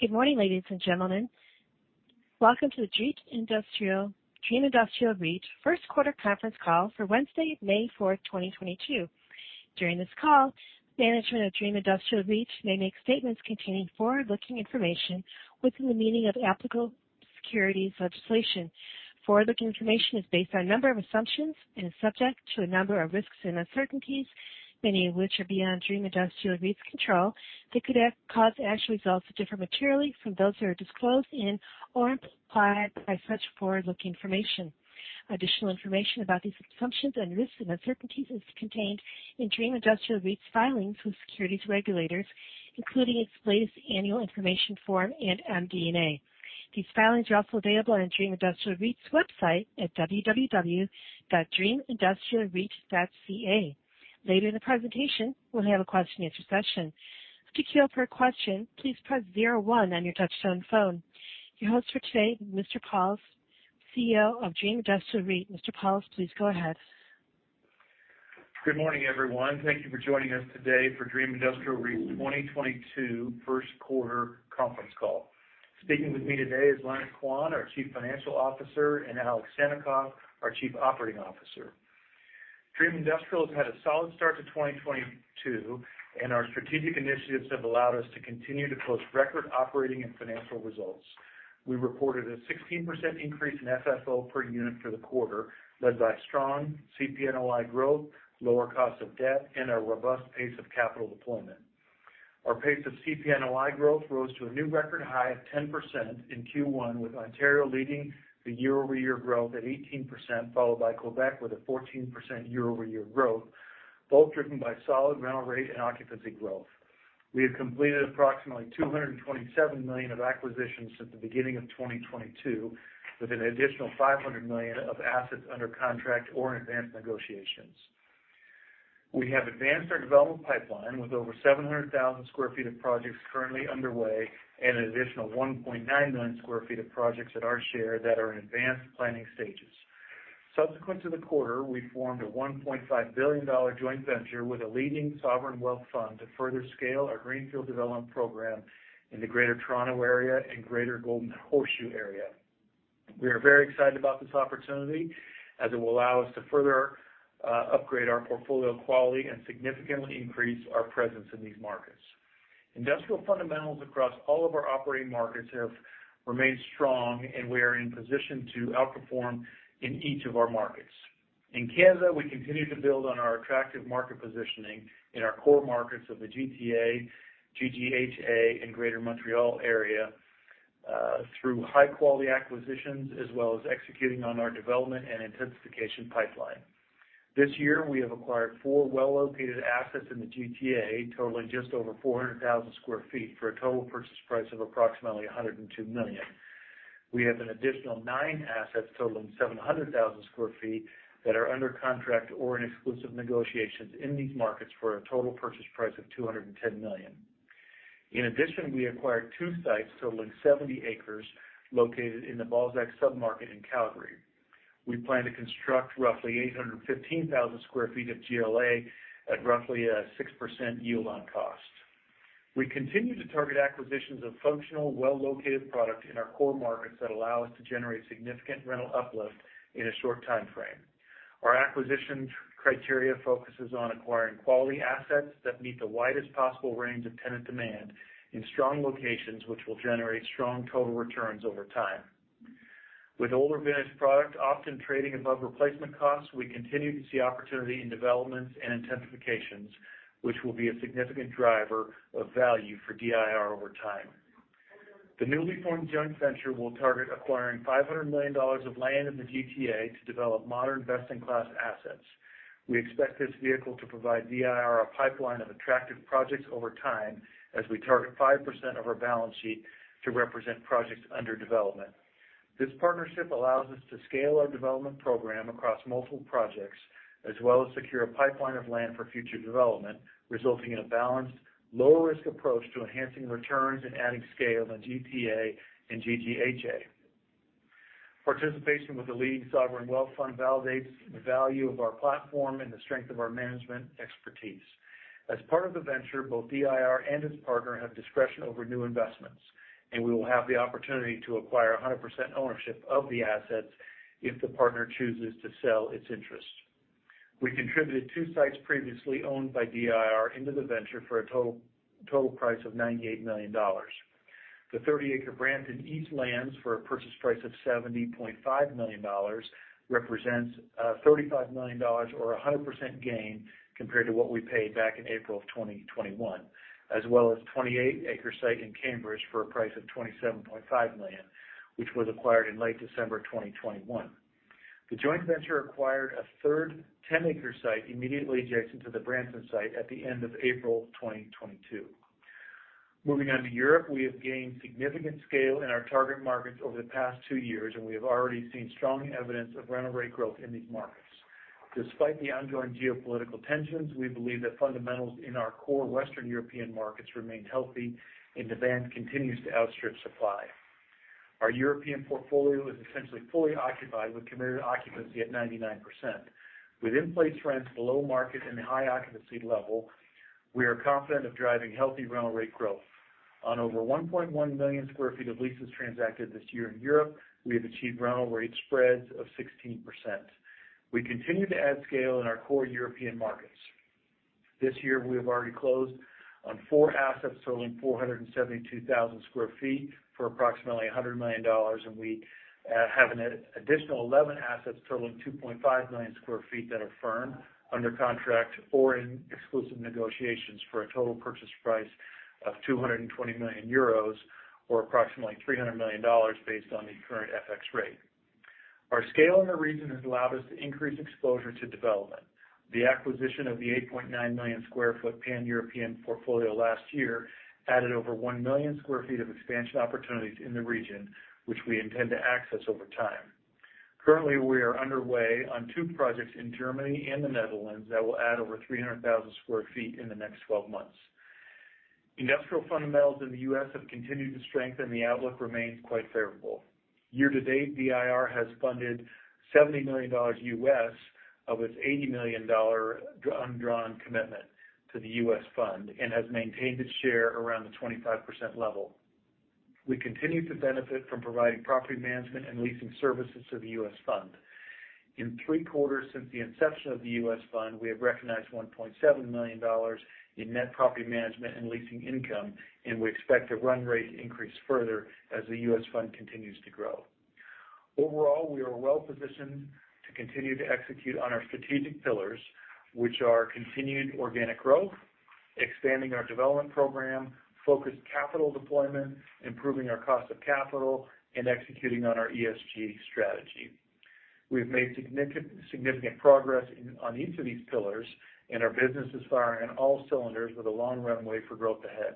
Good morning, ladies and gentlemen. Welcome to the Dream Industrial REIT first quarter conference call for Wednesday, May 4th, 2022. During this call, management of Dream Industrial REIT may make statements containing forward-looking information within the meaning of applicable securities legislation. Forward-looking information is based on a number of assumptions and is subject to a number of risks and uncertainties, many of which are beyond Dream Industrial REIT's control that could cause the actual results to differ materially from those that are disclosed in or implied by such forward-looking information. Additional information about these assumptions and risks and uncertainties is contained in Dream Industrial REIT's filings with securities regulators, including its latest annual information form and MD&A. These filings are also available on Dream Industrial REIT's website at www.dreamindustrialreit.ca. Later in the presentation, we'll have a question-and-answer session. To queue up for a question, please press zero one on your touch-tone phone. Your host for today, Mr. Pauls, CEO of Dream Industrial REIT. Mr. Pauls, please go ahead. Good morning, everyone. Thank you for joining us today for Dream Industrial REIT 2022 first quarter conference call. Speaking with me today is Lenis Quan, our Chief Financial Officer, and Alex Sannikov, our Chief Operating Officer. Dream Industrial has had a solid start to 2022, and our strategic initiatives have allowed us to continue to post record operating and financial results. We reported a 16% increase in FFO per unit for the quarter, led by strong CPNOI growth, lower cost of debt, and a robust pace of capital deployment. Our pace of CPNOI growth rose to a new record high of 10% in Q1, with Ontario leading the year-over-year growth at 18%, followed by Quebec with a 14% year-over-year growth, both driven by solid rental rate and occupancy growth. We have completed approximately 227 million of acquisitions since the beginning of 2022, with an additional 500 million of assets under contract or in advanced negotiations. We have advanced our development pipeline with over 700,000 sq ft of projects currently underway and an additional 1.9 million sq ft of projects at our share that are in advanced planning stages. Subsequent to the quarter, we formed a 1.5 billion dollar joint venture with a leading sovereign wealth fund to further scale our greenfield development program in the Greater Toronto Area and Greater Golden Horseshoe Area. We are very excited about this opportunity as it will allow us to further upgrade our portfolio quality and significantly increase our presence in these markets. Industrial fundamentals across all of our operating markets have remained strong, and we are in position to outperform in each of our markets. In Canada, we continue to build on our attractive market positioning in our core markets of the GTA, GGHA, and Greater Montreal area, through high-quality acquisitions, as well as executing on our development and intensification pipeline. This year, we have acquired four well-located assets in the GTA, totaling just over 400,000 sq ft for a total purchase price of approximately 102 million. We have an additional nine assets totaling 700,000 sq ft that are under contract or in exclusive negotiations in these markets for a total purchase price of 210 million. In addition, we acquired two sites totaling 70 acres located in the Balzac submarket in Calgary. We plan to construct roughly 815,000 square feet of GLA at roughly a 6% yield on cost. We continue to target acquisitions of functional, well-located product in our core markets that allow us to generate significant rental uplift in a short time frame. Our acquisition criteria focuses on acquiring quality assets that meet the widest possible range of tenant demand in strong locations, which will generate strong total returns over time. With older vintage product often trading above replacement costs, we continue to see opportunity in developments and intensifications, which will be a significant driver of value for DIR over time. The newly formed joint venture will target acquiring 500 million dollars of land in the GTA to develop modern best-in-class assets. We expect this vehicle to provide DIR a pipeline of attractive projects over time as we target 5% of our balance sheet to represent projects under development. This partnership allows us to scale our development program across multiple projects, as well as secure a pipeline of land for future development, resulting in a balanced, low-risk approach to enhancing returns and adding scale in GTA and GGHA. Participation with the lead sovereign wealth fund validates the value of our platform and the strength of our management expertise. As part of the venture, both DIR and its partner have discretion over new investments, and we will have the opportunity to acquire 100% ownership of the assets if the partner chooses to sell its interest. We contributed two sites previously owned by DIR into the venture for a total price of 98 million dollars. The 30-acre Brantford East land for a purchase price of 70.5 million dollars represents 35 million dollars or a 100% gain compared to what we paid back in April of 2021, as well as 28-acre site in Cambridge for a price of 27.5 million, which was acquired in late December 2021. The joint venture acquired a third 10-acre site immediately adjacent to the Brantford site at the end of April 2022. Moving on to Europe, we have gained significant scale in our target markets over the past two years, and we have already seen strong evidence of rental rate growth in these markets. Despite the ongoing geopolitical tensions, we believe that fundamentals in our core Western European markets remained healthy, and demand continues to outstrip supply. Our European portfolio is essentially fully occupied with committed occupancy at 99%. With in-place rents below market and a high occupancy level, we are confident of driving healthy rental rate growth. On over 1.1 million sq ft of leases transacted this year in Europe, we have achieved rental rate spreads of 16%. We continue to add scale in our core European markets. This year, we have already closed on four assets totaling 472,000 sq ft for approximately 100 million dollars, and we have an additional 11 assets totaling 2.5 million sq ft that are firm, under contract or in exclusive negotiations for a total purchase price of 220 million euros or approximately 300 million dollars based on the current FX rate. Our scale in the region has allowed us to increase exposure to development. The acquisition of the 8.9 million sq ft Pan-European portfolio last year added over 1 million sq ft of expansion opportunities in the region, which we intend to access over time. Currently, we are underway on two projects in Germany and the Netherlands that will add over 300,000 sq ft in the next 12 months. Industrial fundamentals in the U.S. have continued to strengthen. The outlook remains quite favorable. Year to date, DIR has funded $70 million of its $80 million undrawn commitment to the U.S. fund and has maintained its share around the 25% level. We continue to benefit from providing property management and leasing services to the U.S. fund. In three quarters since the inception of the U.S. fund, we have recognized 1.7 million dollars in net property management and leasing income, and we expect the run rate to increase further as the U.S. fund continues to grow. Overall, we are well-positioned to continue to execute on our strategic pillars, which are continued organic growth, expanding our development program, focused capital deployment, improving our cost of capital, and executing on our ESG strategy. We've made significant progress on each of these pillars, and our business is firing on all cylinders with a long runway for growth ahead.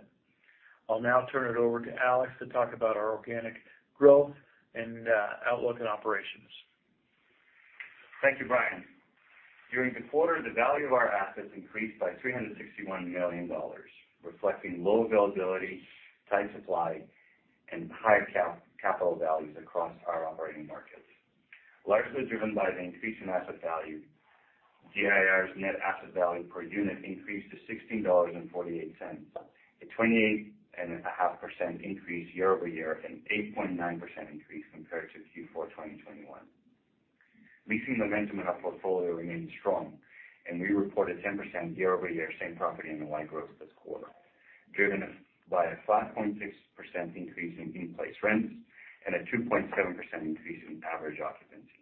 I'll now turn it over to Alex to talk about our organic growth and outlook and operations. Thank you, Brian. During the quarter, the value of our assets increased by 361 million dollars, reflecting low availability, tight supply, and higher capital values across our operating markets. Largely driven by the increase in asset value, DIR's net asset value per unit increased to 16.48 dollars, a 28.5% increase year-over-year and 8.9% increase compared to Q4 2021. Leasing momentum in our portfolio remains strong, and we reported 10% year-over-year same property NOI growth this quarter, driven by a 5.6% increase in in-place rents and a 2.7% increase in average occupancy.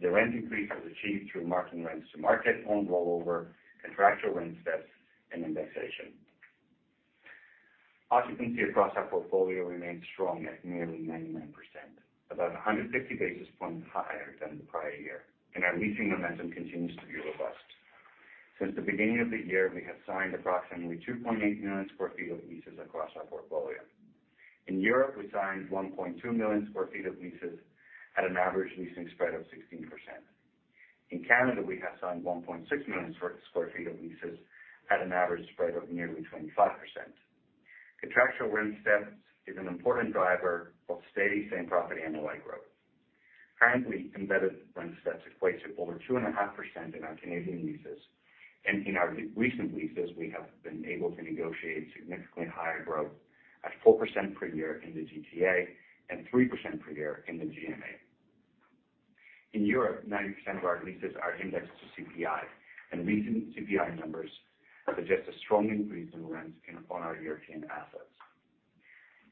The rent increase was achieved through marking rents to market, on rollover, contractual rent steps, and indexation. Occupancy across our portfolio remains strong at nearly 99%, about 150 basis points higher than the prior year, and our leasing momentum continues to be robust. Since the beginning of the year, we have signed approximately 2.8 million sq ft of leases across our portfolio. In Europe, we signed 1.2 million sq ft of leases at an average leasing spread of 16%. In Canada, we have signed 1.6 million sq ft of leases at an average spread of nearly 25%. Contractual rent steps is an important driver of steady same-property NOI growth. Currently, embedded rent steps equates to over 2.5% in our Canadian leases. In our recent leases, we have been able to negotiate significantly higher growth at 4% per year in the GTA and 3% per year in the GMA. In Europe, 90% of our leases are indexed to CPI, and recent CPI numbers suggest a strong increase in rent on our European assets.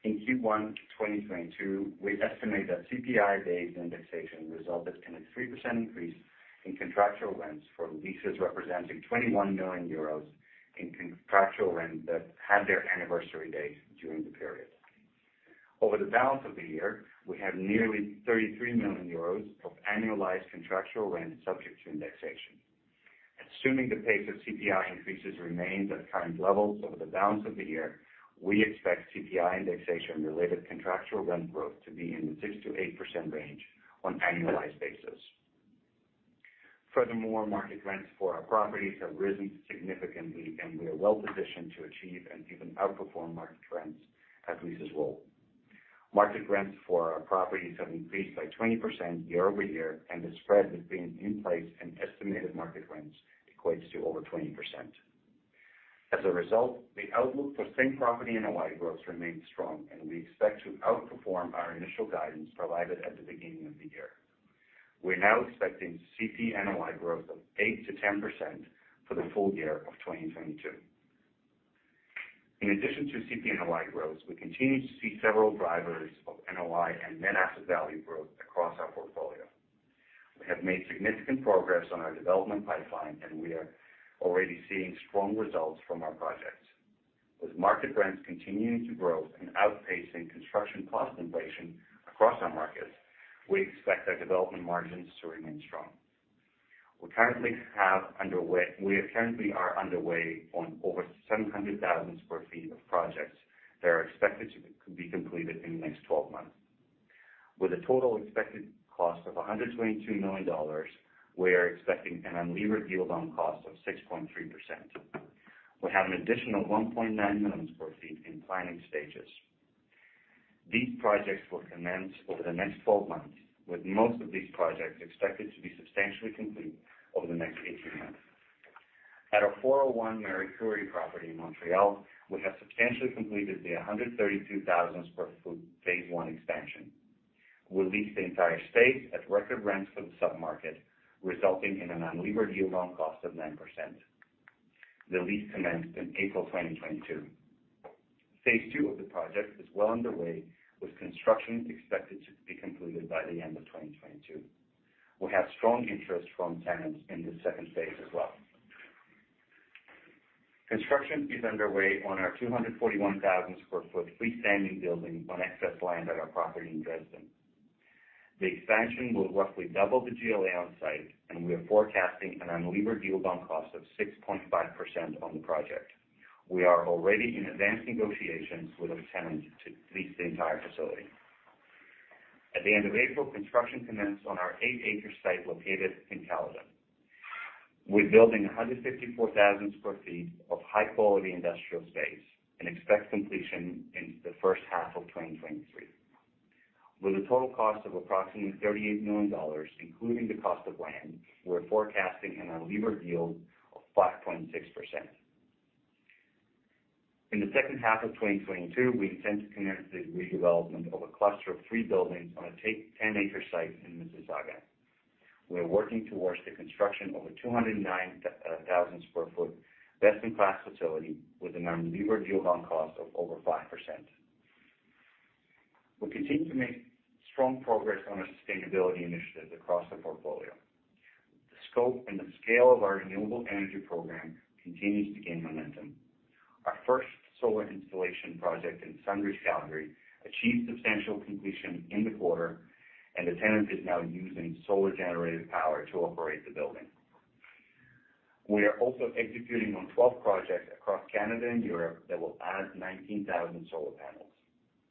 In Q1 2022, we estimate that CPI-based indexation resulted in a 3% increase in contractual rents for leases representing 21 million euros in contractual rent that had their anniversary date during the period. Over the balance of the year, we have nearly 33 million euros of annualized contractual rent subject to indexation. Assuming the pace of CPI increases remains at current levels over the balance of the year, we expect CPI indexation related contractual rent growth to be in the 6%-8% range on annualized basis. Furthermore, market rents for our properties have risen significantly, and we are well-positioned to achieve and even outperform market trends as leases roll. Market rents for our properties have increased by 20% year-over-year, and the spread between in-place and estimated market rents equates to over 20%. As a result, the outlook for same-property NOI growth remains strong, and we expect to outperform our initial guidance provided at the beginning of the year. We're now expecting CPNOI growth of 8%-10% for the full year of 2022. In addition to CPNOI growth, we continue to see several drivers of NOI and net asset value growth across our portfolio. We have made significant progress on our development pipeline, and we are already seeing strong results from our projects. With market rents continuing to grow and outpacing construction cost inflation across our markets, we expect our development margins to remain strong. We currently are underway on over 700,000 sq ft of projects that are expected to be completed in the next 12 months. With a total expected cost of 122 million dollars, we are expecting an unlevered yield on cost of 6.3%. We have an additional 1.9 million sq ft in planning stages. These projects will commence over the next 12 months, with most of these projects expected to be substantially complete over the next 18 months. At our 401 Marie-Curie property in Montreal, we have substantially completed the 132,000 sq ft phase one expansion. We'll lease the entire space at record rents for the submarket, resulting in an unlevered yield on cost of 9%. The lease commenced in April 2022. Phase two of the project is well underway, with construction expected to be completed by the end of 2022. We have strong interest from tenants in this second phase as well. Construction is underway on our 241,000 sq ft freestanding building on excess land at our property in Dresden. The expansion will roughly double the GLA on site, and we are forecasting an unlevered yield on cost of 6.5% on the project. We are already in advanced negotiations with a tenant to lease the entire facility. At the end of April, construction commenced on our 8-acre site located in Caledon. We're building 154,000 sq ft of high-quality industrial space and expect completion in the first half of 2023. With a total cost of approximately 38 million dollars, including the cost of land, we're forecasting an unlevered yield of 5.6%. In the second half of 2022, we intend to commence the redevelopment of a cluster of three buildings on a 8.10-acre site in Mississauga. We're working towards the construction of a 209,000 sq ft best-in-class facility with an unlevered yield on cost of over 5%. We continue to make strong progress on our sustainability initiatives across the portfolio. The scope and the scale of our renewable energy program continues to gain momentum. Our first solar installation project in Sunridge, Calgary, achieved substantial completion in the quarter, and the tenant is now using solar-generated power to operate the building. We are also executing on 12 projects across Canada and Europe that will add 19,000 solar panels.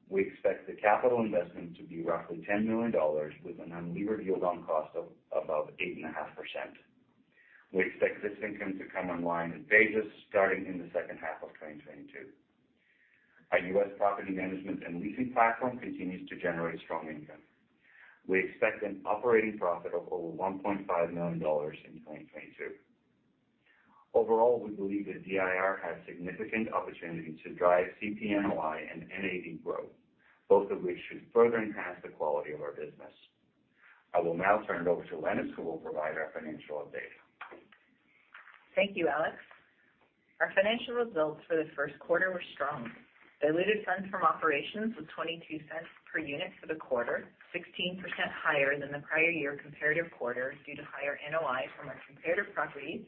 We expect the capital investment to be roughly 10 million dollars with an unlevered yield on cost of above 8.5%. We expect this income to come online in phases starting in the second half of 2022. Our U.S. property management and leasing platform continues to generate strong income. We expect an operating profit of over 1.5 million dollars in 2022. Overall, we believe that DIR has significant opportunity to drive CPNOI and NAV growth, both of which should further enhance the quality of our business. I will now turn it over to Lenis, who will provide our financial update. Thank you, Alex. Our financial results for the first quarter were strong. Diluted funds from operations was 0.22 per unit for the quarter, 16% higher than the prior year comparative quarter due to higher NOI from our comparative properties,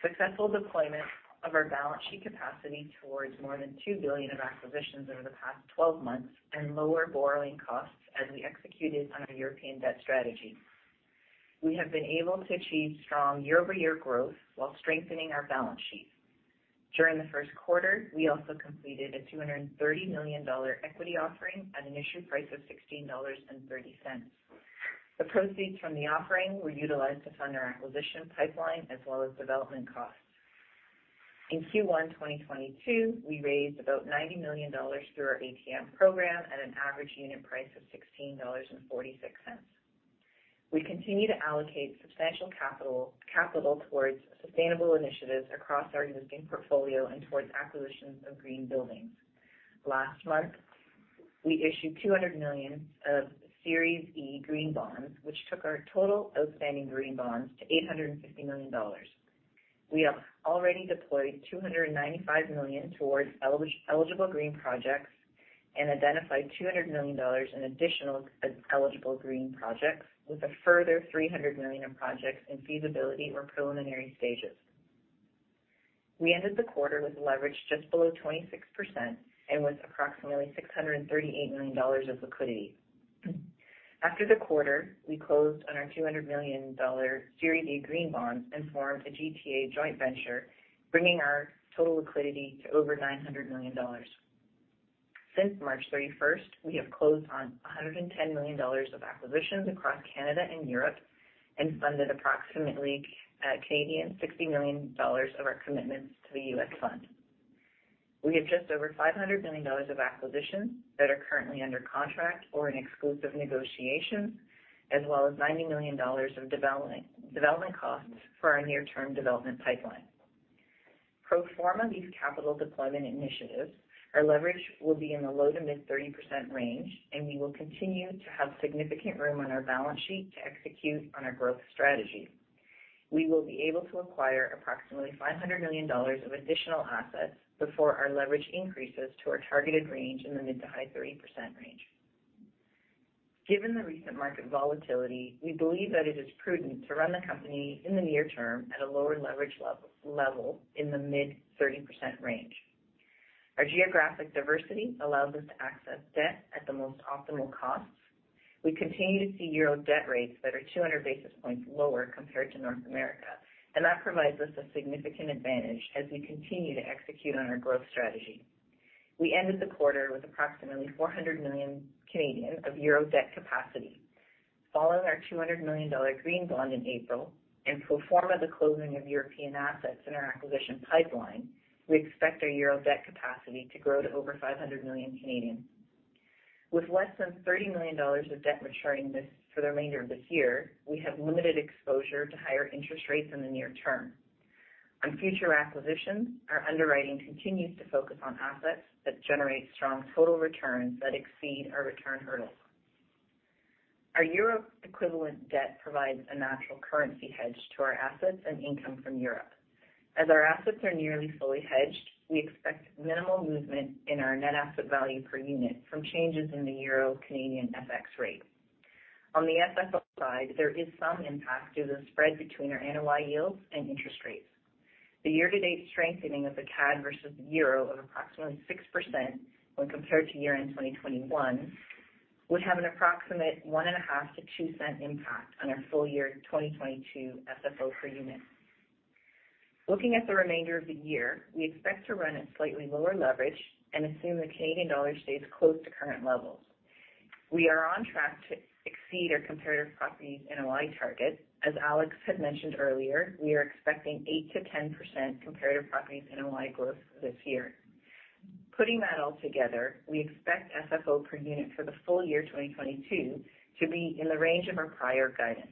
successful deployment of our balance sheet capacity towards more than 2 billion of acquisitions over the past 12 months, and lower borrowing costs as we executed on our European debt strategy. We have been able to achieve strong year-over-year growth while strengthening our balance sheet. During the first quarter, we also completed a 230 million dollar equity offering at an issue price of 16.30 dollars. The proceeds from the offering were utilized to fund our acquisition pipeline as well as development costs. In Q1 2022, we raised about 90 million dollars through our ATM program at an average unit price of 16.46 dollars. We continue to allocate substantial capital towards sustainable initiatives across our existing portfolio and towards acquisitions of green buildings. Last month, we issued 200 million of Series E Green Bonds, which took our total outstanding green bonds to 850 million dollars. We have already deployed 295 million towards eligible green projects and identified 200 million dollars in additional eligible green projects with a further 300 million in projects in feasibility or preliminary stages. We ended the quarter with leverage just below 26% and with approximately 638 million dollars of liquidity. After the quarter, we closed on our 200 million dollar Series A Green Bond and formed a GTA joint venture, bringing our total liquidity to over 900 million dollars. Since March 31, we have closed on 110 million dollars of acquisitions across Canada and Europe and funded approximately 60 million Canadian dollars of our commitments to the U.S. Fund. We have just over 500 million dollars of acquisitions that are currently under contract or in exclusive negotiations, as well as 90 million dollars of development costs for our near-term development pipeline. Pro forma these capital deployment initiatives, our leverage will be in the low-to-mid 30% range, and we will continue to have significant room on our balance sheet to execute on our growth strategy. We will be able to acquire approximately 500 million dollars of additional assets before our leverage increases to our targeted range in the mid- to high-30% range. Given the recent market volatility, we believe that it is prudent to run the company in the near term at a lower leverage level in the mid-30% range. Our geographic diversity allows us to access debt at the most optimal costs. We continue to see euro debt rates that are 200 basis points lower compared to North America, and that provides us a significant advantage as we continue to execute on our growth strategy. We ended the quarter with approximately 400 million of euro debt capacity. Following our 200 million dollar Green Bond in April and pro forma the closing of European assets in our acquisition pipeline, we expect our Euro debt capacity to grow to over 500 million. With less than 30 million dollars of debt maturing for the remainder of this year, we have limited exposure to higher interest rates in the near term. On future acquisitions, our underwriting continues to focus on assets that generate strong total returns that exceed our return hurdles. Our Euro equivalent debt provides a natural currency hedge to our assets and income from Europe. As our assets are nearly fully hedged, we expect minimal movement in our net asset value per unit from changes in the Euro Canadian FX rate. On the FFO side, there is some impact due to the spread between our NOI yields and interest rates. The year-to-date strengthening of the CAD versus the EUR of approximately 6% when compared to year-end 2021 would have an approximate 0.015-0.02 impact on our full year 2022 FFO per unit. Looking at the remainder of the year, we expect to run at slightly lower leverage and assume the Canadian dollar stays close to current levels. We are on track to exceed our comparative properties NOI target. As Alex had mentioned earlier, we are expecting 8%-10% comparative properties NOI growth this year. Putting that all together, we expect FFO per unit for the full year 2022 to be in the range of our prior guidance,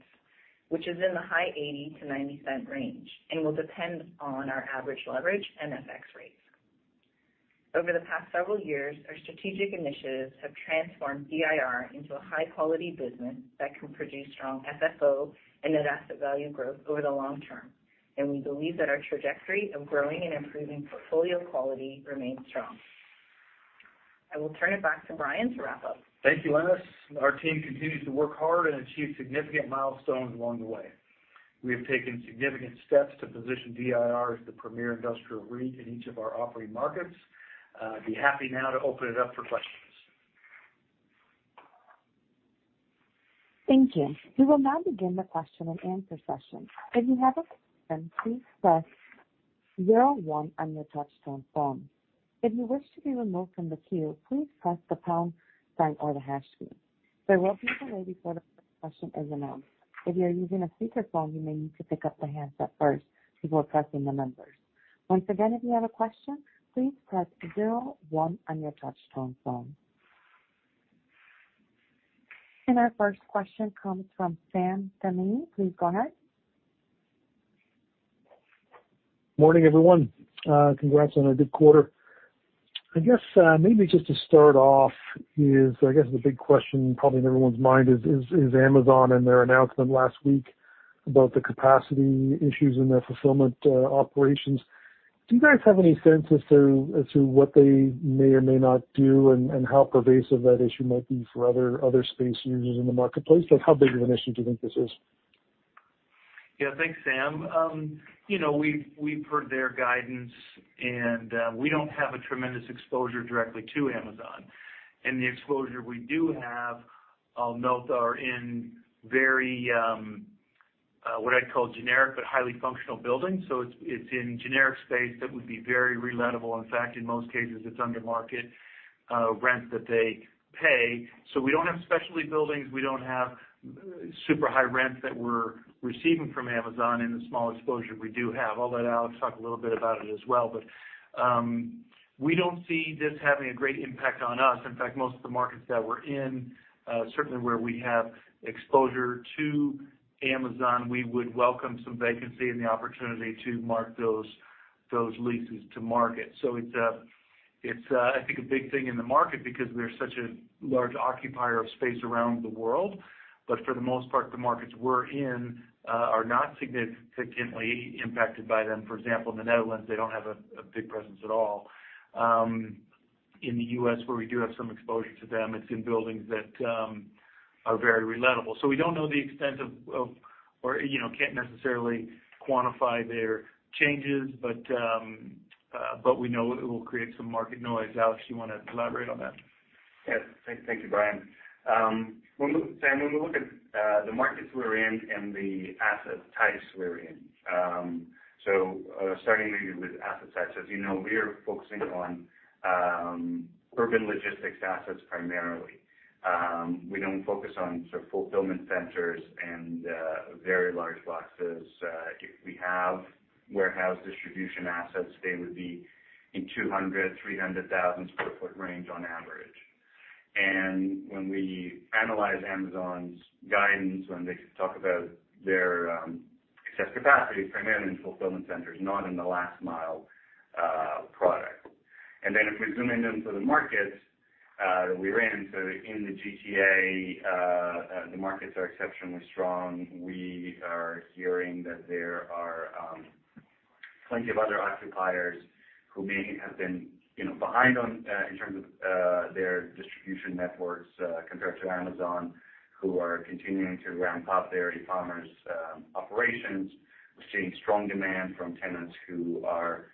which is in the high 0.80-0.90 range and will depend on our average leverage and FX rates. Over the past several years, our strategic initiatives have transformed DIR into a high-quality business that can produce strong FFO and net asset value growth over the long term, and we believe that our trajectory of growing and improving portfolio quality remains strong. I will turn it back to Brian to wrap up. Thank you, Lenis. Our team continues to work hard and achieve significant milestones along the way. We have taken significant steps to position DIR as the premier industrial REIT in each of our operating markets. I'd be happy now to open it up for questions. Thank you. We will now begin the question and answer session. If you have a question, please press zero one on your touchtone phone. If you wish to be removed from the queue, please press the pound sign or the hash key. There will be a delay before the question is announced. If you are using a speakerphone, you may need to pick up the handset first before pressing the numbers. Once again, if you have a question, please press zero one on your touchtone phone. Our first question comes from Sam Damiani. Please go ahead. Morning, everyone. Congrats on a good quarter. I guess, maybe just to start off, I guess the big question probably on everyone's mind is Amazon and their announcement last week about the capacity issues in their fulfillment operations. Do you guys have any sense as to what they may or may not do and how pervasive that issue might be for other space users in the marketplace? Like, how big of an issue do you think this is? Yeah. Thanks, Sam. You know, we've heard their guidance, and we don't have a tremendous exposure directly to Amazon. The exposure we do have, I'll note, are in very what I'd call generic but highly functional buildings. It's in generic space that would be very relettable. In fact, in most cases, it's under market rents that they pay. We don't have specialty buildings. We don't have super high rents that we're receiving from Amazon in the small exposure we do have, although Alex talked a little bit about it as well. We don't see this having a great impact on us. In fact, most of the markets that we're in, certainly where we have exposure to Amazon, we would welcome some vacancy and the opportunity to mark those leases to market. It's a big thing in the market because they're such a large occupier of space around the world. For the most part, the markets we're in are not significantly impacted by them. For example, in the Netherlands, they don't have a big presence at all. In the U.S., where we do have some exposure to them, it's in buildings that are very relettable. We don't know the extent of, you know, can't necessarily quantify their changes, but we know it will create some market noise. Alex, you wanna elaborate on that? Yes. Thank you, Brian. Sam, when we look at the markets we're in and the asset types we're in, so starting maybe with asset types, as you know, we are focusing on urban logistics assets primarily. We don't focus on sort of fulfillment centers and very large boxes. If we have warehouse distribution assets, they would be in the 200,000 sq ft-300,000 sq ft range on average. When we analyze Amazon's guidance, when they talk about their excess capacity, primarily in fulfillment centers, not in the last mile product. If we zoom in into the markets that we're in, so in the GTA, the markets are exceptionally strong. We are hearing that there are plenty of other occupiers who may have been, you know, behind on in terms of their distribution networks compared to Amazon, who are continuing to ramp up their e-commerce operations. We're seeing strong demand from tenants who are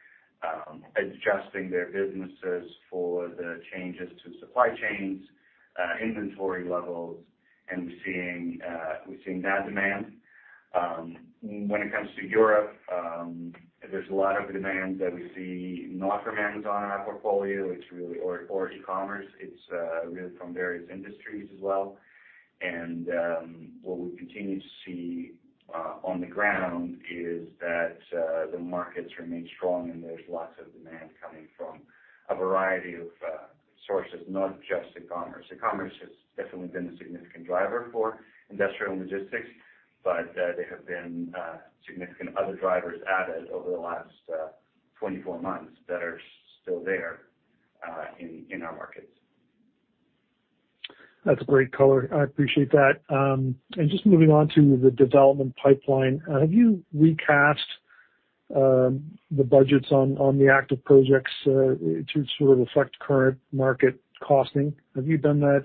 adjusting their businesses for the changes to supply chains, inventory levels, and we're seeing that demand. When it comes to Europe, there's a lot of demand that we see, not from Amazon, in our portfolio. It's really from various industries as well. What we continue to see on the ground is that the markets remain strong, and there's lots of demand coming from a variety of sources, not just e-commerce. E-commerce has definitely been a significant driver for industrial logistics, but there have been significant other drivers added over the last 24 months that are still there in our markets. That's a great color. I appreciate that. Just moving on to the development pipeline, have you recast the budgets on the active projects to sort of reflect current market costing? Have you done that,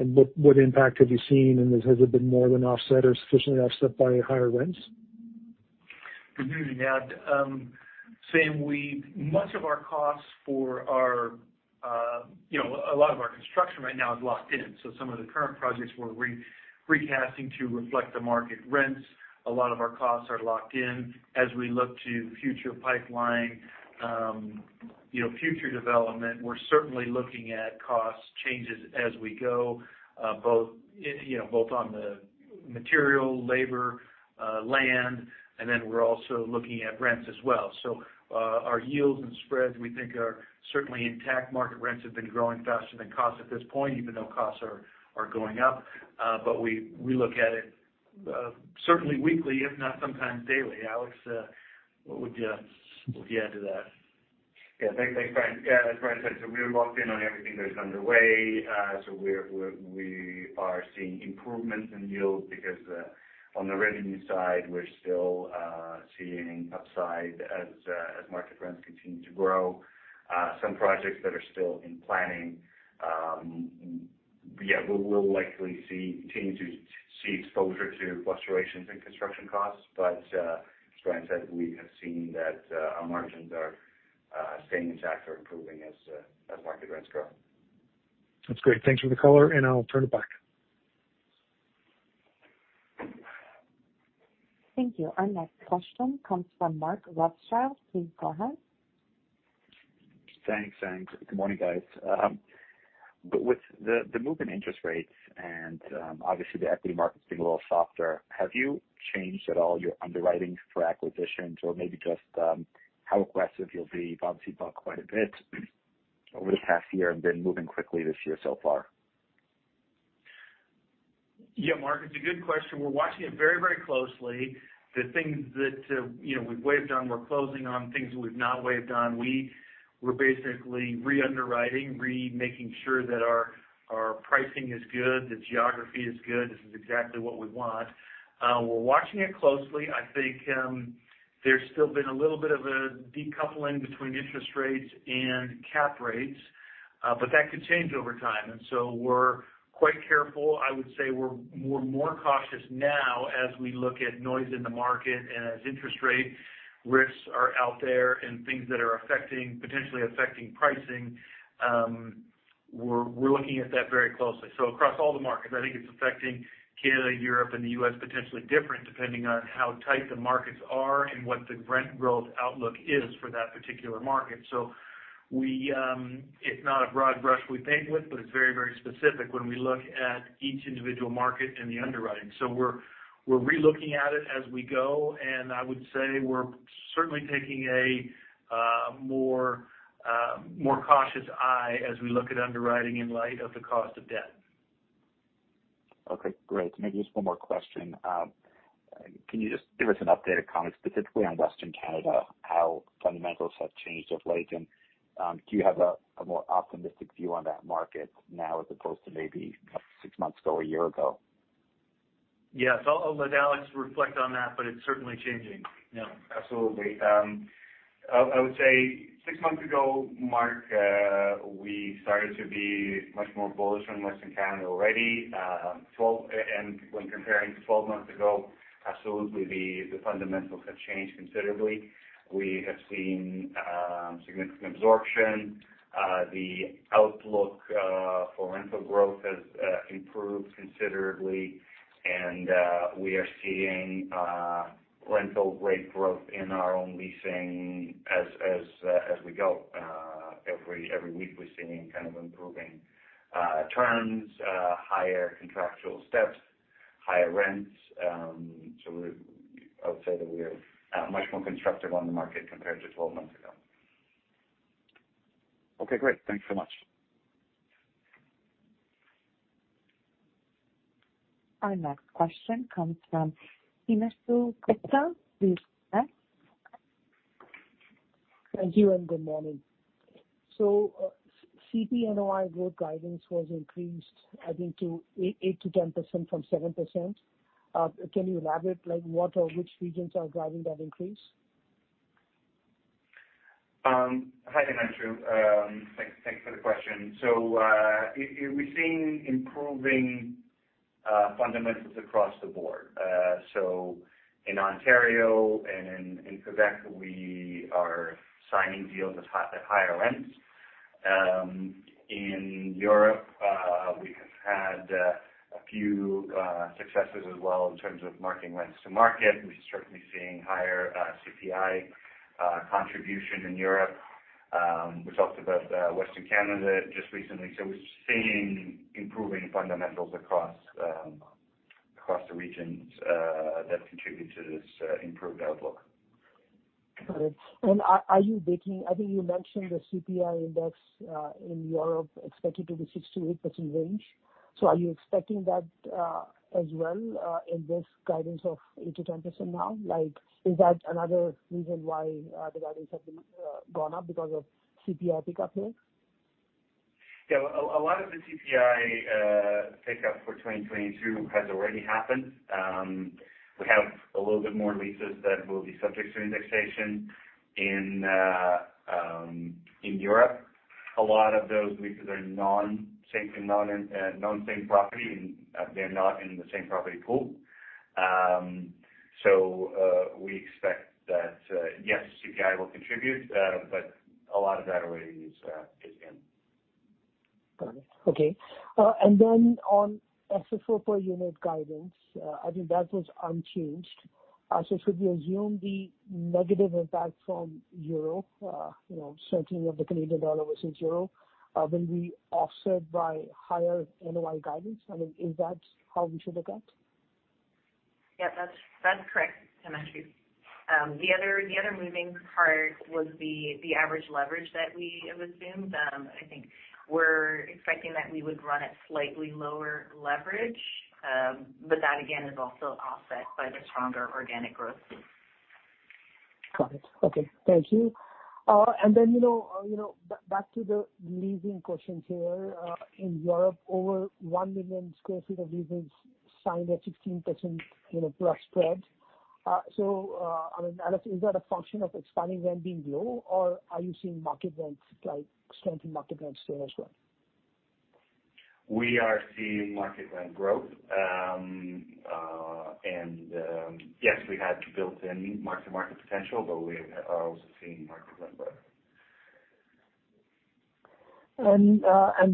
and what impact have you seen, and has it been more than offset or sufficiently offset by higher rents? Good morning, Sam. Same. Much of our costs for our, you know, a lot of our construction right now is locked in, so some of the current projects we're recasting to reflect the market rents. A lot of our costs are locked in. As we look to future pipeline, you know, future development, we're certainly looking at cost changes as we go, both, you know, both on the material, labor, land, and then we're also looking at rents as well. Our yields and spreads we think are certainly intact. Market rents have been growing faster than costs at this point, even though costs are going up. We look at it certainly weekly, if not sometimes daily. Alex, what would you add to that? Yeah. Thanks. Thanks, Brian. Yeah, as Brian said, we're locked in on everything that is underway. We are seeing improvements in yields because on the revenue side, we're still seeing upside as market rents continue to grow. Some projects that are still in planning, we'll likely continue to see exposure to fluctuations in construction costs. As Brian said, we have seen that our margins are staying intact or improving as market rents grow. That's great. Thanks for the color, and I'll turn it back. Thank you. Our next question comes from Mark Rothschild. Please go ahead. Thanks. Good morning, guys. With the move in interest rates and obviously the equity market's been a little softer, have you changed at all your underwriting for acquisitions or maybe just how aggressive you'll be? You've obviously bought quite a bit over the past year and been moving quickly this year so far. Yeah, Mark, it's a good question. We're watching it very, very closely. The things that we've waved on, we're closing on. Things we've not waved on, we're basically re-underwriting, re-making sure that our pricing is good, the geography is good. This is exactly what we want. We're watching it closely. I think, there's still been a little bit of a decoupling between interest rates and cap rates, but that could change over time. We're quite careful. I would say we're more cautious now as we look at noise in the market and as interest rate risks are out there and things that are affecting, potentially affecting pricing. We're looking at that very closely. Across all the markets, I think it's affecting Canada, Europe, and the U.S. potentially different depending on how tight the markets are and what the rent growth outlook is for that particular market. It's not a broad brush we paint with, but it's very, very specific when we look at each individual market and the underwriting. We're re-looking at it as we go, and I would say we're certainly taking a more cautious eye as we look at underwriting in light of the cost of debt. Okay. Great. Maybe just one more question. Can you just give us an update or comment specifically on Western Canada, how fundamentals have changed of late? Do you have a more optimistic view on that market now as opposed to maybe about six months ago or a year ago? Yes. I'll let Alex reflect on that, but it's certainly changing. Yeah. Absolutely. I would say six months ago, Mark, we started to be much more bullish on Western Canada already. When comparing to twelve months ago, absolutely the fundamentals have changed considerably. We have seen significant absorption. The outlook for rental growth has improved considerably, and we are seeing rental rate growth in our own leasing as we go. Every week we're seeing kind of improving terms, higher contractual steps, higher rents. So I would say that we are much more constructive on the market compared to twelve months ago. Okay. Great. Thanks so much. Our next question comes from Himanshu Gupta. Please go ahead. Thank you, and good morning. CPNOI growth guidance was increased, I think to 8%-10% from 7%. Can you elaborate, like, what or which regions are driving that increase? Hi, Himanshu. Thanks for the question. We're seeing improving fundamentals across the board. In Ontario and in Quebec, we are signing deals at higher rents. In Europe, we have had a few successes as well in terms of marking rents to market. We're certainly seeing higher CPI contribution in Europe. We talked about Western Canada just recently. We're seeing improving fundamentals across the regions that contribute to this improved outlook. Got it. Are you baking in? I think you mentioned the CPI index in Europe expected to be 6%-8% range. Are you expecting that as well in this guidance of 8%-10% now? Like, is that another reason why the guidance have been gone up because of CPI pickup here? Yeah. A lot of the CPI pickup for 2022 has already happened. We have a little bit more leases that will be subject to indexation. In Europe, a lot of those leases are non-same property, and they're not in the same property pool. We expect that CPI will contribute, but a lot of that already is in. Got it. Okay. On FFO per unit guidance, I think that was unchanged. Should we assume the negative impact from euro, you know, strengthening of the Canadian dollar versus euro, will be offset by higher NOI guidance? I mean, is that how we should look at it? Yeah, that's correct, Himanshu. The other moving part was the average leverage that we have assumed. I think we're expecting that we would run at slightly lower leverage. That again is also offset by the stronger organic growth. Got it. Okay. Thank you. You know, back to the leasing questions here. In Europe, over 1 million sq ft of leases signed at 16%, you know, plus spread. I mean, Alex, is that a function of expiring rent being low, or are you seeing market rents, like strengthening market rents there as well? We are seeing market rent growth. Yes, we had built-in mark-to-market potential, but we're also seeing market rent growth.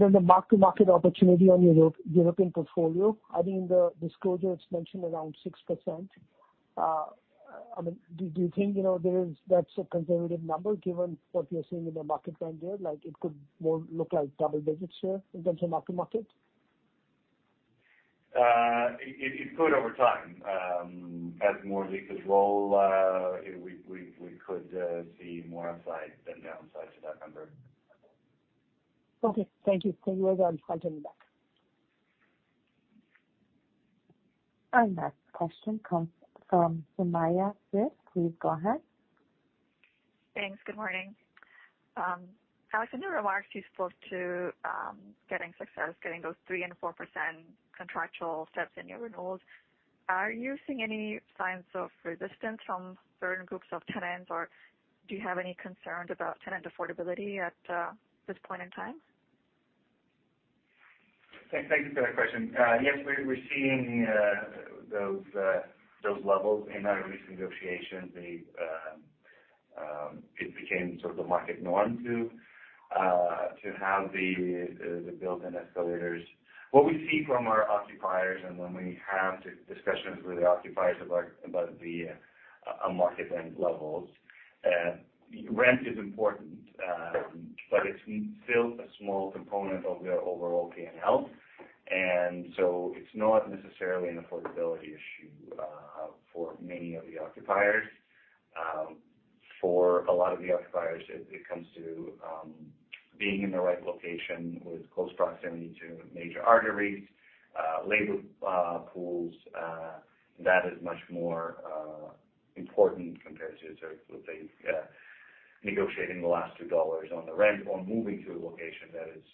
The mark-to-market opportunity on your European portfolio. I think in the disclosure, it's mentioned around 6%. I mean, do you think, you know, that's a conservative number given what you're seeing in the market trend there? Like, it could more look like double digits here in terms of mark-to-market? It could over time. As more leases roll, we could see more upside than downside to that number. Okay. Thank you. With that, I'll turn it back. Our next question comes from Sumayya Syed. Please go ahead. Thanks. Good morning. Alex, in your remarks, you spoke to getting success, getting those 3% and 4% contractual steps in your renewals. Are you seeing any signs of resistance from certain groups of tenants, or do you have any concerns about tenant affordability at this point in time? Thank you for that question. Yes, we're seeing those levels in our recent negotiations. It became sort of the market norm to have the built-in escalators. What we see from our occupiers and when we have discussions with the occupiers about the market rent levels, rent is important, but it's still a small component of their overall P&L. It's not necessarily an affordability issue for many of the occupiers. For a lot of the occupiers, it comes to being in the right location with close proximity to major arteries, labor pools. That is much more important compared to the negotiating the last 2 dollars on the rent or moving to a location that is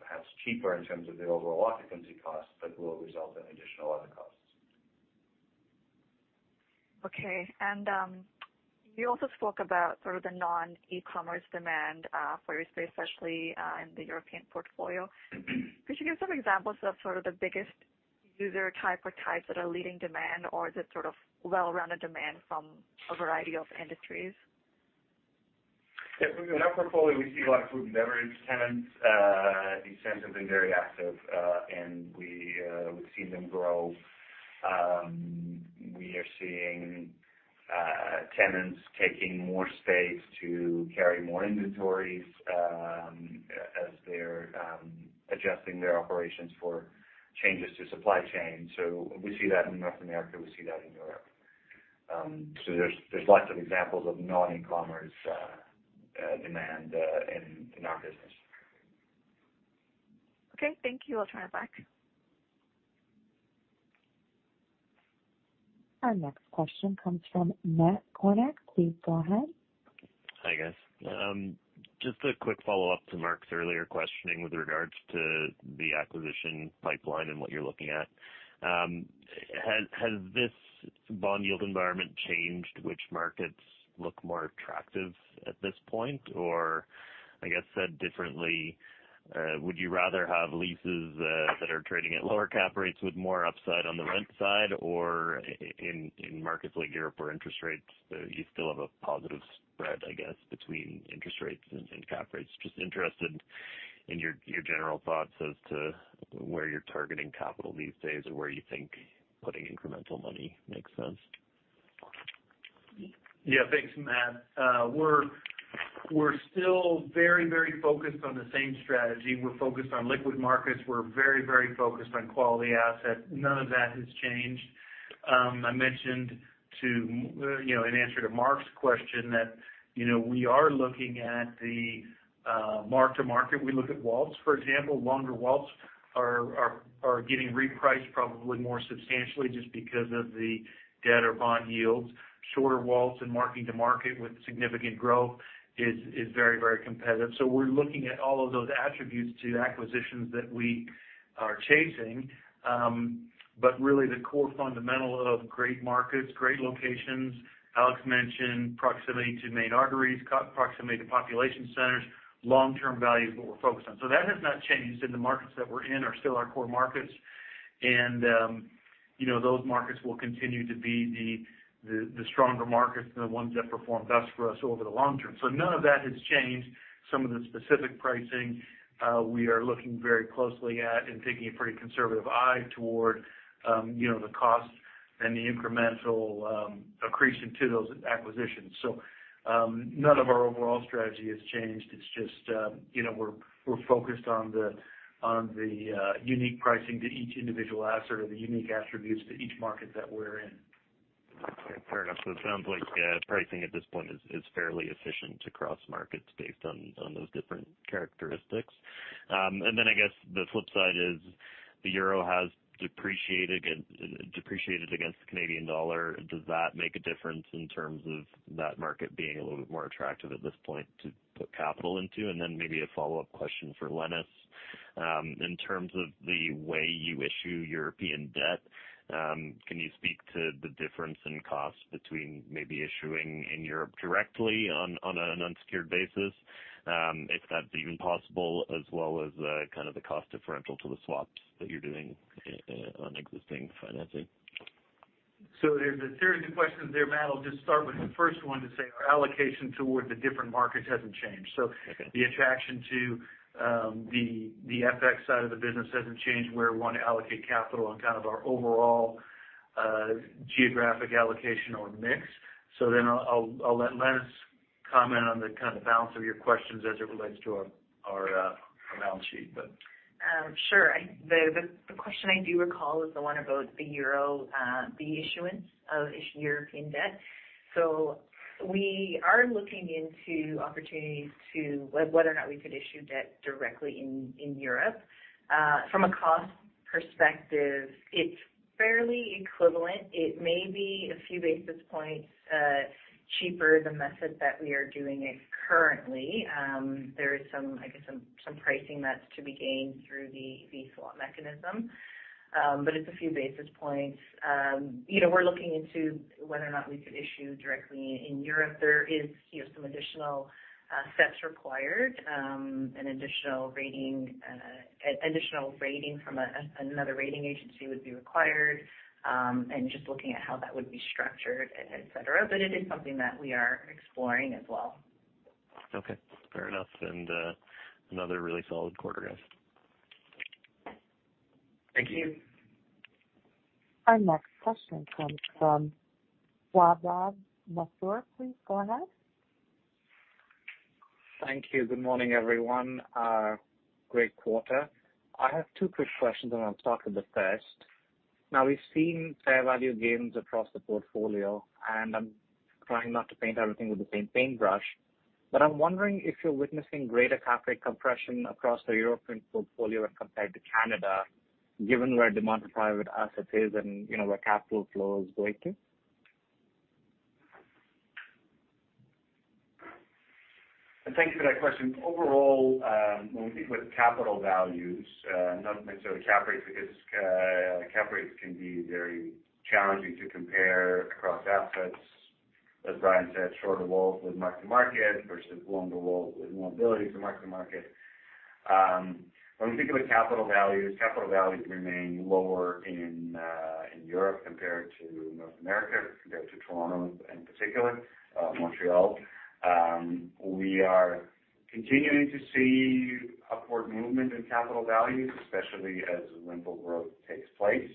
perhaps cheaper in terms of the overall occupancy cost, but will result in additional other costs. Okay. You also spoke about sort of the non-e-commerce demand for your space, especially, in the European portfolio. Could you give some examples of sort of the biggest user type or types that are leading demand, or is it sort of well-rounded demand from a variety of industries? Yeah. In our portfolio, we see a lot of food and beverage tenants. These tenants have been very active, and we've seen them grow. We are seeing tenants taking more space to carry more inventories, as they're adjusting their operations for changes to supply chain. We see that in North America, we see that in Europe. There's lots of examples of non-e-commerce demand in our business. Okay. Thank you. I'll turn it back. Our next question comes from Matt Kornack. Please go ahead. Hi, guys. Just a quick follow-up to Mark's earlier questioning with regards to the acquisition pipeline and what you're looking at. Has this bond yield environment changed? Which markets look more attractive at this point? I guess said differently, would you rather have leases that are trading at lower cap rates with more upside on the rent side or in markets like Europe, where interest rates you still have a positive spread, I guess, between interest rates and cap rates? Just interested in your general thoughts as to where you're targeting capital these days or where you think putting incremental money makes sense. Yeah. Thanks, Matt. We're still very focused on the same strategy. We're focused on liquid markets. We're very focused on quality assets. None of that has changed. I mentioned you know, in answer to Mark's question that, you know, we are looking at the mark-to-market. We look at WALTs, for example. Longer WALTs are getting repriced probably more substantially just because of the debt or bond yields. Shorter WALTs and marking to market with significant growth is very competitive. We're looking at all of those attributes to acquisitions that we are chasing. Really the core fundamental of great markets, great locations, Alex mentioned proximity to main arteries, co-proximity to population centers, long-term value is what we're focused on. That has not changed, and the markets that we're in are still our core markets. You know, those markets will continue to be the stronger markets are the ones that perform best for us over the long term. None of that has changed. Some of the specific pricing, we are looking very closely at and taking a pretty conservative eye toward, you know, the cost and the incremental, accretion to those acquisitions. None of our overall strategy has changed. It's just, you know, we're focused on the unique pricing to each individual asset or the unique attributes to each market that we're in. Okay. Fair enough. It sounds like pricing at this point is fairly efficient across markets based on those different characteristics. I guess the flip side is the euro has depreciated against the Canadian dollar. Does that make a difference in terms of that market being a little bit more attractive at this point to put capital into? Maybe a follow-up question for Lenis. In terms of the way you issue European debt, can you speak to the difference in cost between maybe issuing in Europe directly on an unsecured basis, if that's even possible, as well as kind of the cost differential to the swaps that you're doing on existing financing? There's a series of questions there, Matt. I'll just start with the first one to say our allocation toward the different markets hasn't changed. Okay. The attraction to the FX side of the business hasn't changed, where we wanna allocate capital and kind of our overall geographic allocation or mix. I'll let Lenis comment on the kind of balance of your questions as it relates to our balance sheet, but. Sure. The question I do recall is the one about the euro, the issuance of European debt. We are looking into opportunities to whether or not we could issue debt directly in Europe. From a cost perspective, it's fairly equivalent. It may be a few basis points cheaper, the method that we are doing it currently. There is some pricing that's to be gained through the swap mechanism. But it's a few basis points. You know, we're looking into whether or not we could issue directly in Europe. There is some additional steps required, an additional rating from another rating agency would be required, and just looking at how that would be structured, et cetera. But it is something that we are exploring as well. Okay. Fair enough. Another really solid quarter, guys. Thank you. Our next question comes from Gaurav Mathur. Please go ahead. Thank you. Good morning, everyone. Great quarter. I have two quick questions, and I'll start with the first. Now, we've seen fair value gains across the portfolio, and I'm trying not to paint everything with the same paintbrush. I'm wondering if you're witnessing greater cap rate compression across the European portfolio as compared to Canada, given where demand for private assets is and, you know, where capital flow is going to? Thank you for that question. Overall, when we think about capital values, not necessarily cap rates, because cap rates can be very challenging to compare across assets. As Brian said, shorter WALTs with mark-to-market versus longer WALTs with more ability to mark-to-market. When we think about capital values, capital values remain lower in Europe compared to North America, compared to Toronto in particular, Montreal. We are continuing to see upward movement in capital values, especially as rental growth takes place.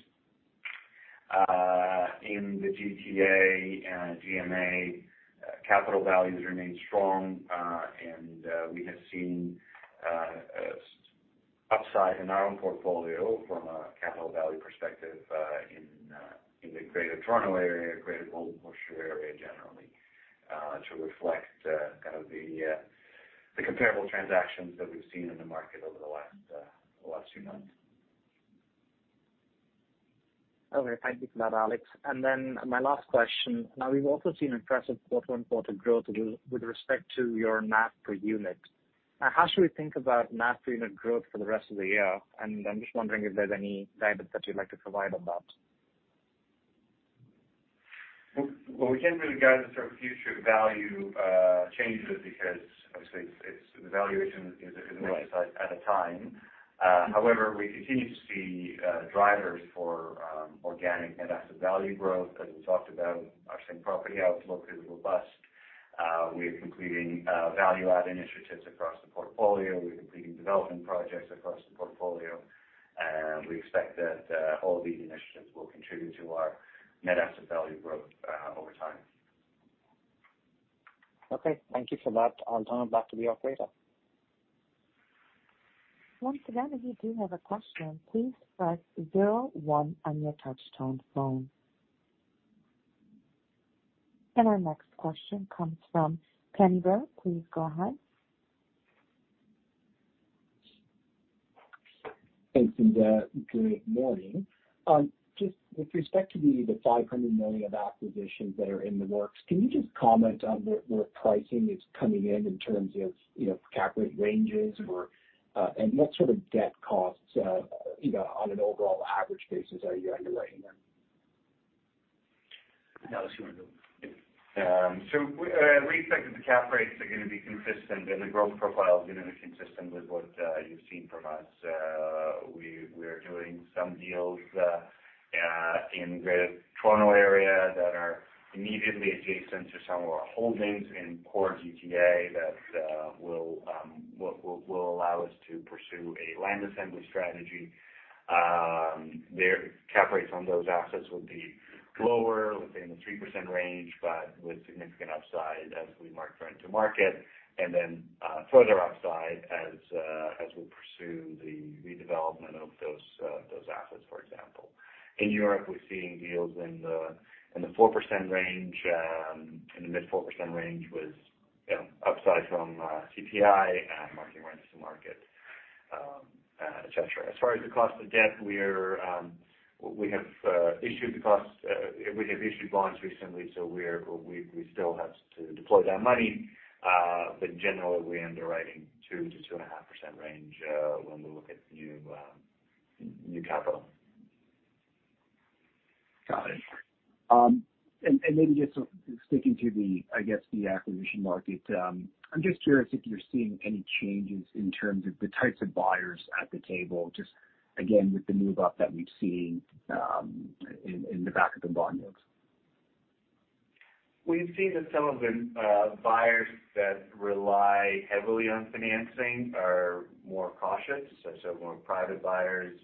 In the GTA and GMA, capital values remain strong, and we have seen upside in our own portfolio from a capital value perspective, in the Greater Toronto Area, Greater Montreal Area generally, to reflect kind of the comparable transactions that we've seen in the market over the last few months. Okay. Thank you for that, Alex. Then my last question. Now, we've also seen impressive quarter-on-quarter growth with respect to your NAV per unit. How should we think about [net FFO] growth for the rest of the year? I'm just wondering if there's any guidance that you'd like to provide on that. Well, we can't really guide the sort of future value, changes because obviously it's the valuation is. Right At a time. However, we continue to see drivers for organic net asset value growth. As we talked about, our same property outlook is robust. We're completing value add initiatives across the portfolio. We're completing development projects across the portfolio, and we expect that all of these initiatives will contribute to our net asset value growth over time. Okay. Thank you for that, Alex. Back to the operator. Once again, if you do have a question, please press zero one on your touch tone phone. Our next question comes from Pammi Bir. Please go ahead. Thanks and good morning. Just with respect to the 500 million of acquisitions that are in the works, can you just comment on where pricing is coming in in terms of, you know, cap rate ranges or, and what sort of debt costs, you know, on an overall average basis are you underwriting them? Yeah. We expect that the cap rates are gonna be consistent and the growth profile is gonna be consistent with what you've seen from us. We're doing some deals in the Toronto area that are immediately adjacent to some of our holdings in core GTA that will allow us to pursue a land assembly strategy. Their cap rates on those assets would be lower, within the 3% range, but with significant upside as we mark rent to market and then further upside as we pursue the redevelopment of those assets, for example. In Europe, we're seeing deals in the 4% range, in the mid 4% range with, you know, upside from CPI and marking rent to market, et cetera. As far as the cost of debt, we have issued bonds recently, so we still have to deploy that money. Generally, we're underwriting 2%-2.5% range when we look at new capital. Got it. Maybe just sort of sticking to the, I guess, the acquisition market, I'm just curious if you're seeing any changes in terms of the types of buyers at the table, just again, with the move up that we've seen, in the back of the bond yields. We've seen that some of the buyers that rely heavily on financing are more cautious, so more private buyers,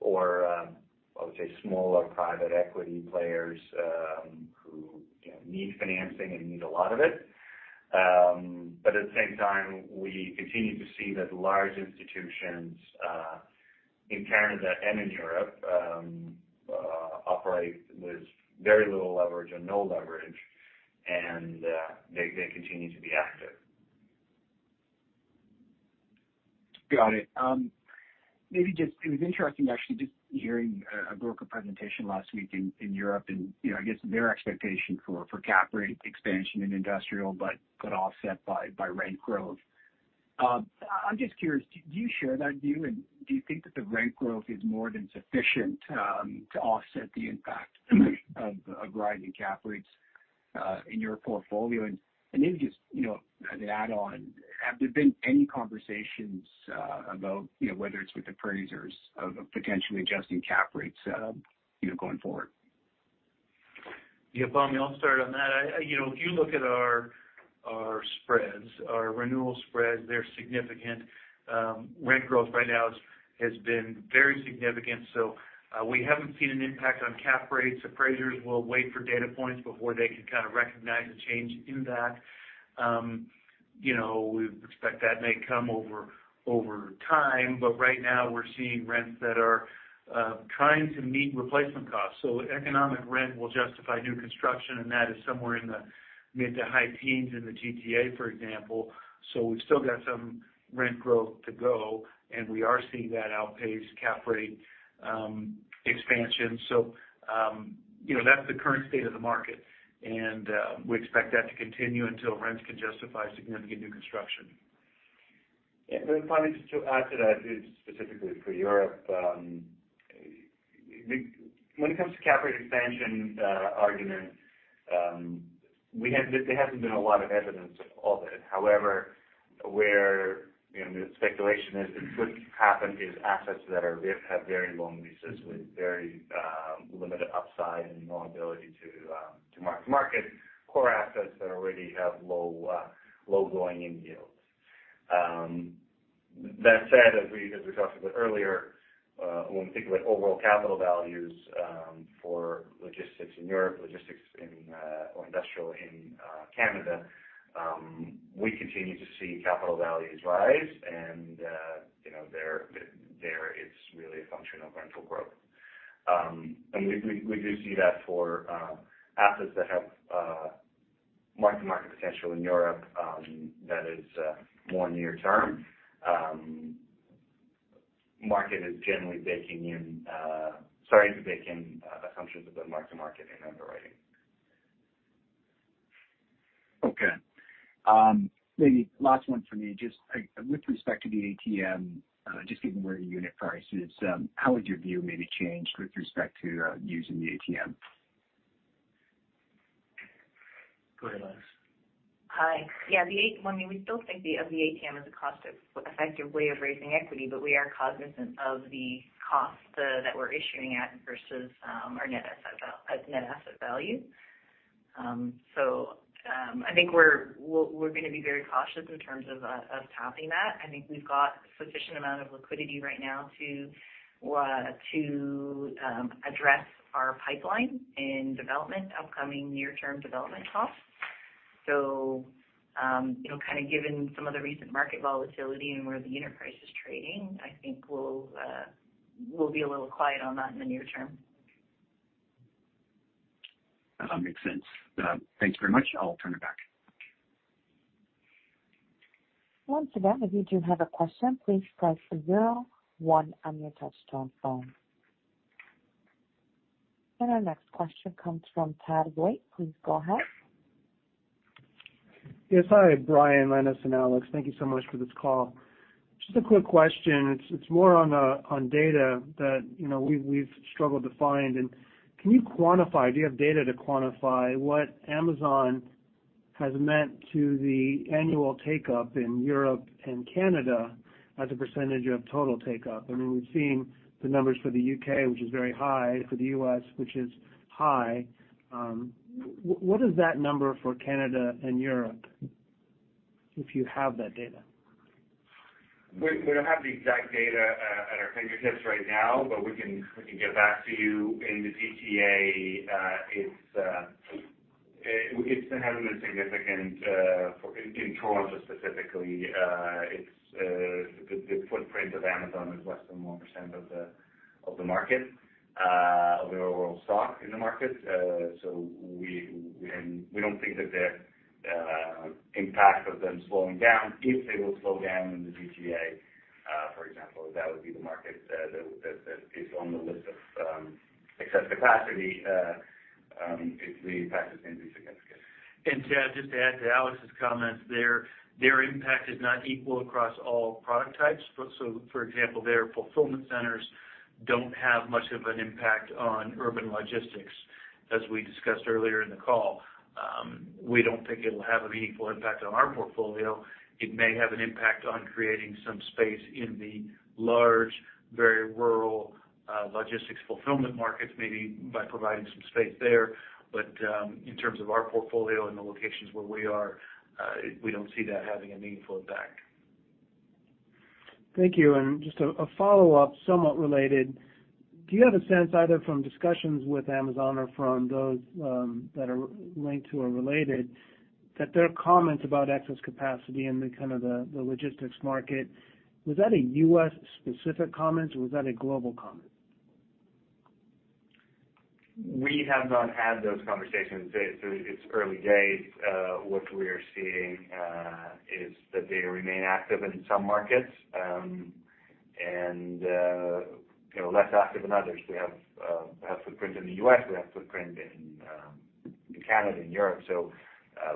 or, I would say smaller private equity players, who, you know, need financing and need a lot of it. But at the same time, we continue to see that large institutions in Canada and in Europe operate with very little leverage or no leverage, and they continue to be active. Got it. Maybe it was interesting actually just hearing a broker presentation last week in Europe. You know, I guess their expectation for cap rate expansion in industrial but got offset by rent growth. I'm just curious, do you share that view, and do you think that the rent growth is more than sufficient to offset the impact of rising cap rates in your portfolio? Maybe just, you know, as an add-on, have there been any conversations about you know whether it's with appraisers of potentially adjusting cap rates you know going forward? Yeah. Pammi, I'll start on that. I, you know, if you look at our spreads, our renewal spreads, they're significant. Rent growth right now has been very significant, so we haven't seen an impact on cap rates. Appraisers will wait for data points before they can kind of recognize a change in that. You know, we expect that may come over time, but right now we're seeing rents that are trying to meet replacement costs. Economic rent will justify new construction, and that is somewhere in the mid- to high-teens in the GTA, for example. We've still got some rent growth to go, and we are seeing that outpace cap rate expansion. You know, that's the current state of the market, and we expect that to continue until rents can justify significant new construction. Yeah. Finally, just to add to that, specifically for Europe, when it comes to cap rate expansion argument, there hasn't been a lot of evidence of it. However, where, you know, the speculation is, it could happen is assets that have very long leases with very limited upside and no ability to mark-to-market core assets that already have low going-in yields. That said, as we talked about earlier, when we think about overall capital values for logistics in Europe or industrial in Canada, we continue to see capital values rise and, you know, there it's really a function of rental growth. We do see that for assets that have mark-to-market potential in Europe, that is more near term. Market is generally starting to bake in assumptions about mark-to-market in underwriting. Okay. Maybe last one for me. Just, with respect to the ATM, just given where the unit price is, how would your view maybe change with respect to using the ATM? Go ahead, Lenis. Hi. Yeah, well, I mean, we still think of the ATM as a cost-effective way of raising equity, but we are cognizant of the cost that we're issuing at versus our net asset value. I think we're gonna be very cautious in terms of topping that. I think we've got sufficient amount of liquidity right now to address our pipeline in development, upcoming near-term development costs. You know, kinda given some of the recent market volatility and where the unit price is trading, I think we'll be a little quiet on that in the near term. Makes sense. Thank you very much. I'll turn it back. Once again, if you do have a question, please press zero one on your touchtone phone. Our next question comes from [Todd Boyd]. Please go ahead. Yes. Hi, Brian, Lenis, and Alex. Thank you so much for this call. Just a quick question. It's more on data that, you know, we've struggled to find. Can you quantify, do you have data to quantify what Amazon has meant to the annual take-up in Europe and Canada as a percentage of total take-up? I mean, we've seen the numbers for the UK, which is very high, for the U.S., which is high. What is that number for Canada and Europe, if you have that data? We don't have the exact data at our fingertips right now, but we can get back to you. In the GTA, in Toronto specifically, the footprint of Amazon is less than 1% of the overall stock in the market. So we don't think that the impact of them slowing down, if they will slow down in the GTA, for example, that would be the market that is on the list of excess capacity. The impact is gonna be significant. Todd, just to add to Alex's comment there, their impact is not equal across all product types. So for example, their fulfillment centers don't have much of an impact on urban logistics, as we discussed earlier in the call. We don't think it'll have a meaningful impact on our portfolio. It may have an impact on creating some space in the large, very rural, logistics fulfillment markets, maybe by providing some space there. In terms of our portfolio and the locations where we are, we don't see that having a meaningful impact. Thank you. Just a follow-up, somewhat related. Do you have a sense, either from discussions with Amazon or from those that are linked to or related, that their comments about excess capacity in the kind of the logistics market, was that a U.S.-specific comment, or was that a global comment? We have not had those conversations. It's early days. What we are seeing is that they remain active in some markets, and you know, less active in others. We have footprint in the U.S., we have footprint in Canada, in Europe.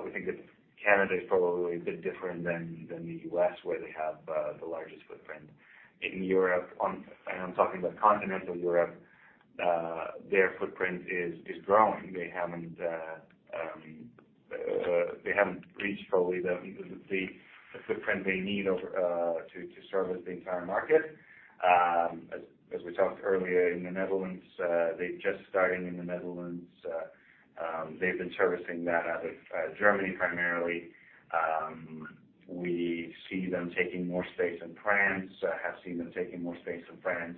We think that Canada is probably a bit different than the U.S., where they have the largest footprint. In Europe, and I'm talking about continental Europe, their footprint is growing. They haven't reached fully the footprint they need to service the entire market. As we talked earlier, in the Netherlands, they're just starting in the Netherlands. They've been servicing that out of Germany primarily. We see them taking more space in France, have seen them taking more space in France,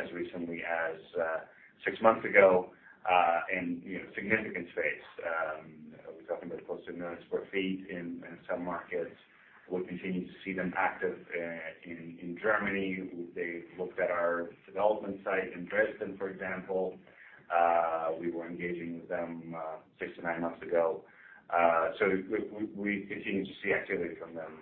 as recently as six months ago. You know, significant space. We're talking about close to 1 million sq ft in some markets. We'll continue to see them active in Germany. They looked at our development site in Dresden, for example. We were engaging with them six to nine months ago. We continue to see activity from them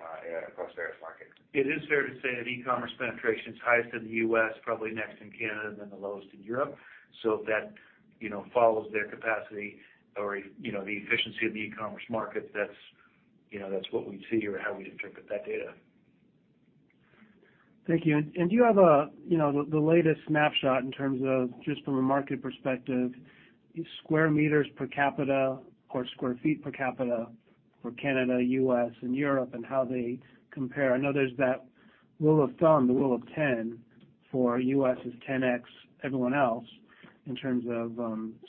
across various markets. It is fair to say that e-commerce penetration is highest in the U.S., probably next in Canada, then the lowest in Europe. So that, you know, follows their capacity or, you know, the efficiency of the e-commerce market, that's, you know, that's what we'd see or how we'd interpret that data. Thank you. Do you have the latest snapshot in terms of just from a market perspective, sq m per capita or sq ft per capita for Canada, U.S., and Europe and how they compare? I know there's that rule of thumb, the rule of 10, for U.S. is 10x everyone else in terms of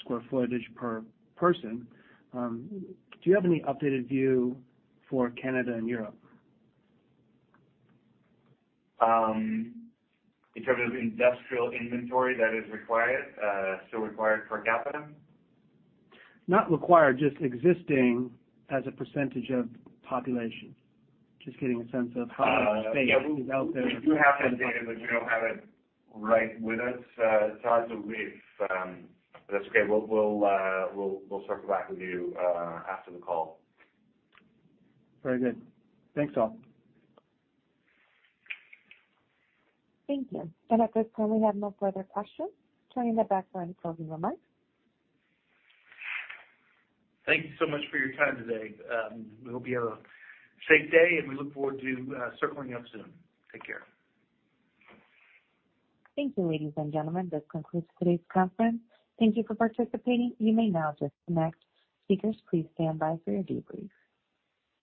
sq ft per person. Do you have any updated view for Canada and Europe? In terms of industrial inventory that is required, still required per capita? Not required, just existing as a percentage of population. Just getting a sense of how much space is out there. Yeah, we do have that data, but we don't have it right with us, Todd, so if that's okay, we'll circle back with you after the call. Very good. Thanks, all. Thank you. At this time, we have no further questions. Turning back to the line for closing remarks. Thank you so much for your time today. We hope you have a safe day, and we look forward to circling up soon. Take care. Thank you, ladies and gentlemen. This concludes today's conference. Thank you for participating. You may now disconnect. Speakers, please stand by for your debrief.